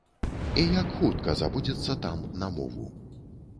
І як хутка забудзецца там на мову?